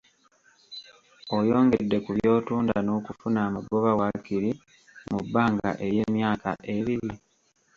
Oyongedde ku by’otunda n’okufuna amagoba waakiri mu bbanga ery’emyaka ebiri?